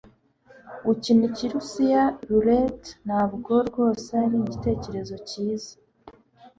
Gukina ikirusiya roulette ntabwo rwose ari igitekerezo cyiza